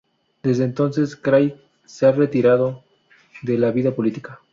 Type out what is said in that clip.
Desde entonces, Craig se ha retirado de la vida política.